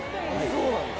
そうなんだ。